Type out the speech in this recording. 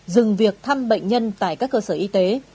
dừng việc thăm bệnh nhân tại các cơ sở y tế